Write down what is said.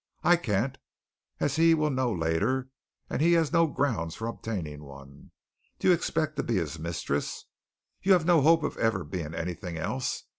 I can't, as he will know later, and he has no grounds for obtaining one. Do you expect to be his mistress? You have no hope of ever being anything else.